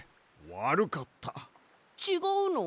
ちがうの？